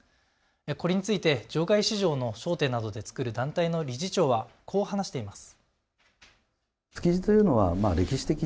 これについて場外市場の商店などで作る団体の理事長はこう話しています。